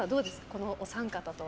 このお三方とは。